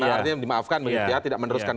artinya dimaafkan mengikti tidak meneruskan